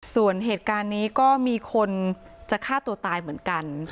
ส่วนเหตุการณ์นี้ก็มีคนจะฆ่าตัวตายเหมือนกัน